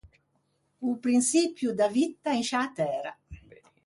O prinçipio da vitta in sciâ Tæra.